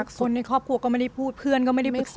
คนในครอบครัวก็ไม่ได้พูดเพื่อนก็ไม่ได้ไม่ฟัง